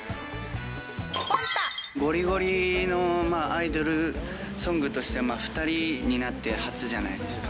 ごりごりのアイドルソングとして、２人になって初じゃないですか。